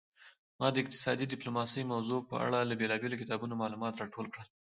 ما د اقتصادي ډیپلوماسي موضوع په اړه له بیلابیلو کتابونو معلومات راټول کړل